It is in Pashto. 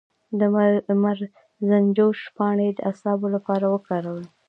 د مرزنجوش پاڼې د اعصابو لپاره وکاروئ